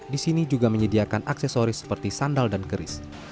di sini juga menyediakan aksesoris seperti sandal dan keris